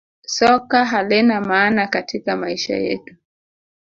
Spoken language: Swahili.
Soka halina maana katika maisha yetu